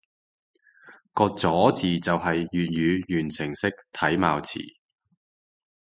個咗字就係粵語完成式體貌詞